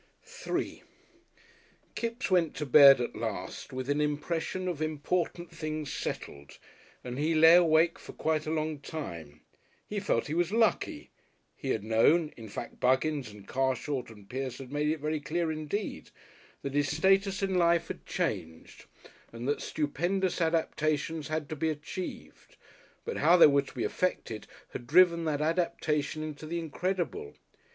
§3 Kipps went to bed at last with an impression of important things settled, and he lay awake for quite a long time. He felt he was lucky. He had known in fact Buggins and Carshot and Pierce had made it very clear indeed that his status in life had changed and that stupendous adaptations had to be achieved, but how they were to be effected had driven that adaptation into the incredible.